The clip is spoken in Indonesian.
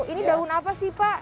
ini daun apa sih pak